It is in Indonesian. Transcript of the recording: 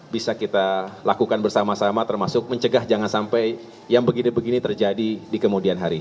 bisa kita lakukan bersama sama termasuk mencegah jangan sampai yang begini begini terjadi di kemudian hari